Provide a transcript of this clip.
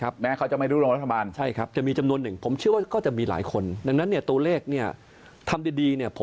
เปิดต่างกับภาคภูมิฟังเพิ่มเติมได้